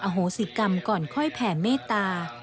โหสิกรรมก่อนค่อยแผ่เมตตา